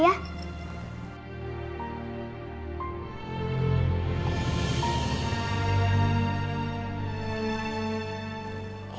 eyang minum dulu ya